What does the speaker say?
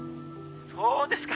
「そうですか」